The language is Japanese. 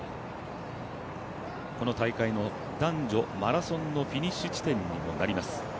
この大会の男女マラソンのフィニッシュ地点にもなります。